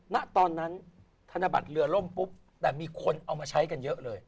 ณตอนนั้นธนบัตรเรือล่มปุ๊บแต่มีคนเอามาใช้กันเยอะเลย